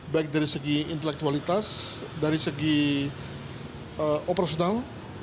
baik dari segi intelektualitas dari segi operasional